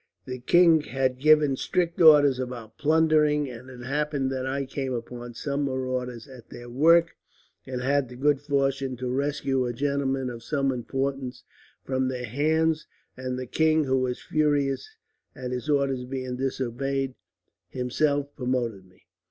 The king had given strict orders about plundering, and it happened that I came upon some marauders at their work, and had the good fortune to rescue a gentleman of some importance from their hands; and the king, who was furious at his orders being disobeyed, himself promoted me.